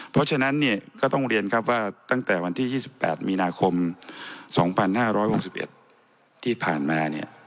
เพราะฉะนั้นเนี่ยก็ต้องเรียนครับว่าตั้งแต่วันที่๒๘มีนาคม๒๕๖๑ที่ผ่านมาเนี่ย